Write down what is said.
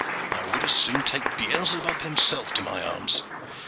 I would as soon take Beelzebub himself to my arms.